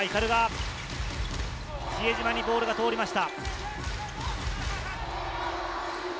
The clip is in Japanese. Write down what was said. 鵤、比江島にボールを通しました。